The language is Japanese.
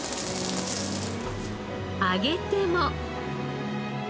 揚げても。